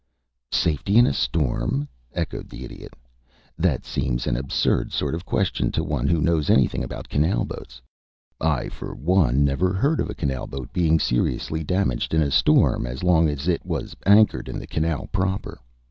"Safety in a storm?" echoed the Idiot. "That seems an absurd sort of a question to one who knows anything about canal boats. I, for one, never heard of a canal boat being seriously damaged in a storm as long as it was anchored in the canal proper.